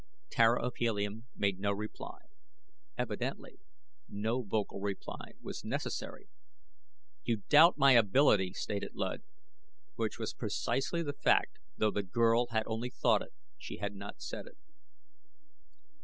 Tara of Helium made no reply. Evidently no vocal reply was necessary. "You doubt my ability!" stated Luud, which was precisely the fact, though the girl had only thought it she had not said it.